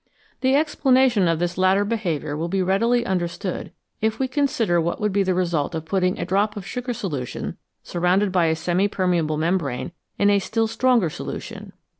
The explanation of this latter behaviour will be readily understood if we consider what would be the result of putting a drop of sugar solution, surrounded by a semi permeable membrane, in a still stronger solution.